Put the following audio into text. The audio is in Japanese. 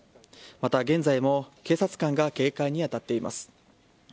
また、現在も警察官が警戒に当たっています。